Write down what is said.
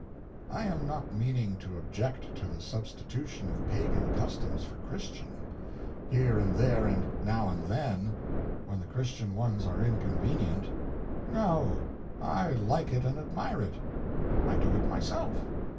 I am not meaning to object to the substitution of pagan customs for Christian, here and there and now and then, when the Christian ones are inconvenient. No ; I like it and admire it. I do it myself.